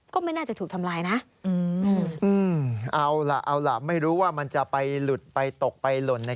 ก็ไม่น่าจะถูกทำลายนะ